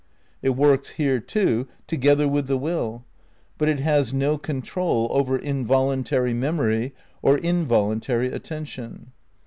It works, here too, together with the will; but it has no control over involuntary memory or involuntary attention.